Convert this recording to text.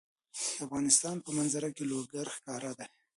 د افغانستان په منظره کې لوگر ښکاره ده.